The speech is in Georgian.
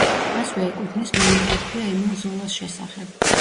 მასვე ეკუთვნის მონოგრაფია ემილ ზოლას შესახებ.